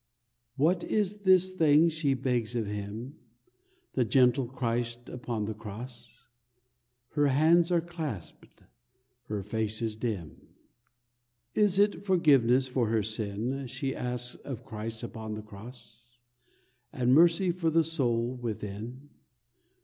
What is this thing she begs of him, The gentle Christ upon the Cross? Her hands are clasped; her face is dim. Is it forgiveness for her sin, She asks of Christ upon the Cross? And mercy for the soul within?